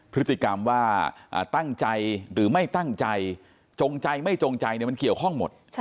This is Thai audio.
พฤติกรรมว่าตั้งใจหรือไม่ตั้งใจจงใจไม่จงใจมันเกี่ยวข้องหมด